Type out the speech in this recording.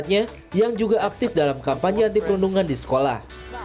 anaknya yang juga aktif dalam kampanye anti perundungan di sekolah